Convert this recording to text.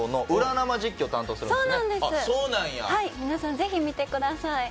皆さんぜひ見てください。